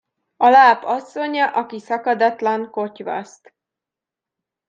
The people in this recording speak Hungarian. A láp asszonya, aki szakadatlan kotyvaszt.